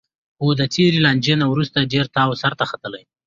خو د تېرې لانجې نه وروسته ډېر تاو سرته ختلی